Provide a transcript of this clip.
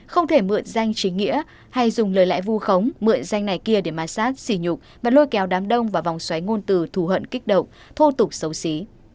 không thể mượn danh chính nghĩa hay dùng lời lẽ vu khống mượn danh này kia để ma sát xỉ nhục và lôi kéo đám đông và vòng xoáy ngôn từ thù hận kích động thô tục xấu xí